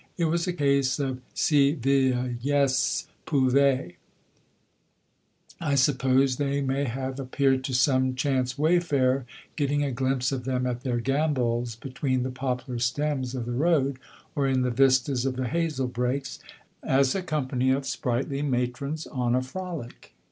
It was a case of si vieillesse pouvait. I suppose they may have appeared to some chance wayfarer, getting a glimpse of them at their gambols between the poplar stems of the road, or in the vistas of the hazel brakes, as a company of sprightly matrons on a frolic.